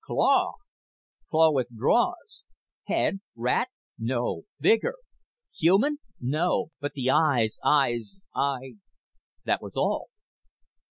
Claw!_ Claw withdraws. Head. Rat? No. Bigger. Human? No. But the eyes eyes ey That was all.